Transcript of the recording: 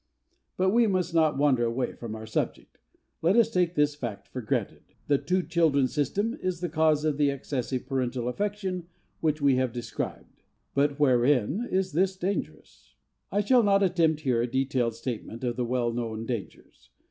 But we must not wander away from our subject. Let us take this fact for granted: The "two children system" is the cause for the excessive parental affection we have described. But wherein is this dangerous? I shall not attempt here a detailed statement of the well known dangers.